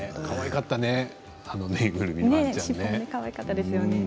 かわいかったね